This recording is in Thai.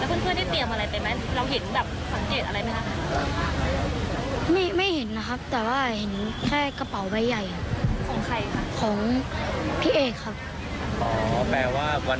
อันนี้ไม่เห็นน่ะแต่ว่าแค่กระเป๋าใบใหญ่ของใครครับ